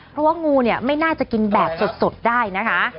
เพราะว่างูเนี่ยไม่น่าจะกินแบบสดได้นะคะ